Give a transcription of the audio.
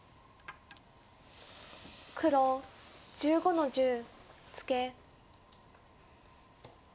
黒１５の十ツケ。